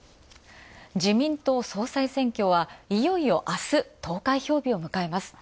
自民党総裁選挙はいよいよあす、投開票日を迎えます。